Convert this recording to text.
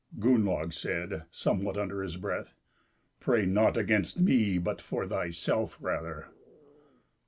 Gunnlaug said, somewhat under his breath: "Pray not against me, but for thyself rather."